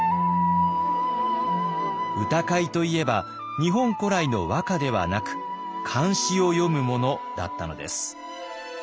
歌会といえば日本古来の和歌ではなく漢詩を詠むものだったのです。